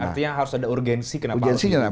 artinya harus ada urgensi kenapa harus dilakukan